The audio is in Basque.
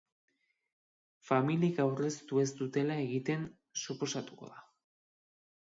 Familiek aurreztu ez dutela egiten suposatuko da.